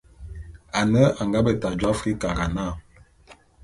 Ane a nga beta jô Afrikara na.